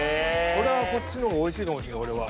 これはこっちの方がおいしいかもしれない俺は。